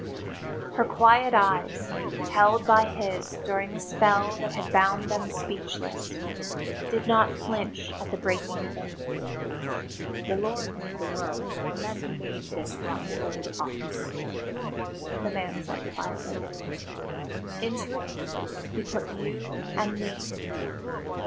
Her quiet eyes, held by his during the spell that had bound them speechless, did not flinch at the breaking of it. "The Lord made the world and then He made this rotten old office," the man said quietly. "Into it He put you and me.